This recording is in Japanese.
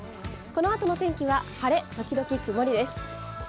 このあとの天気は晴れ時々曇りです。